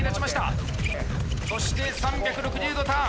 そして３６０度ターン。